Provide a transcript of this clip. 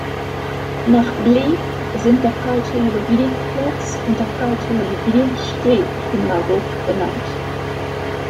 Nach Bleek sind der "Karl-Theodor-Bleek-Platz" und der "Karl-Theodor-Bleek-Steg" in Marburg benannt.